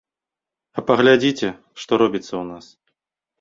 А паглядзіце, што робіцца ў нас.